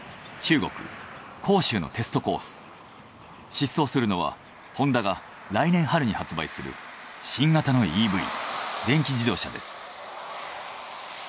疾走するのはホンダが来年春に発売する新型のＥＶ電気自動車です。